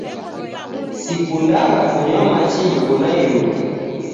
Sikundagha kunywa machi ghiko na iruke.